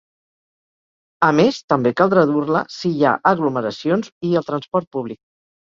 A més, també caldrà dur-la si hi ha aglomeracions i al transport públic.